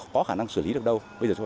có khả năng xử lý được đâu